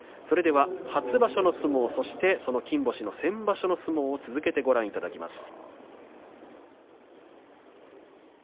初場所の相撲そして金星の先場所の相撲を続けてご覧いただきます。